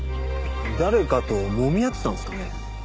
誰かともみ合ってたんですかね？